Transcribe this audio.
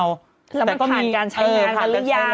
แล้วมันผ่านการใช้งานมาหรือยัง